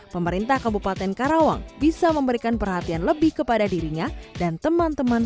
pemerintah kabupaten karawang bisa memberikan perhatian lebih kepada dirinya dan teman teman